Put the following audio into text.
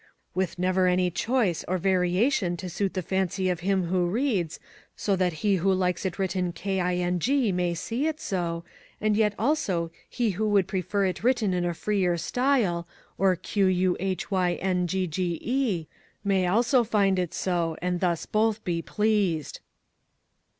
"With never any choice, or variation to suit the fancy of him who reads so that he who likes it written King may see it so, and yet also he who would prefer it written in a freer style, or Quhyngge, may also find it so and thus both be pleased."